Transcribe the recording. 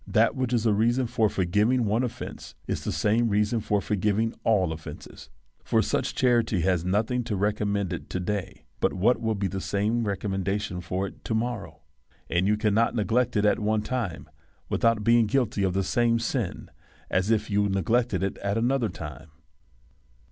That which is a reason for forgiving one offence is the same reason for for giving all offences. For such charity has nothing to recommend it to day but what will be the same re commendation of it to morrow ; and you cannot neg 64: A SERIOUS CALL TO A lect it at one time without being guilty of the same sin as if you neglected it at another time.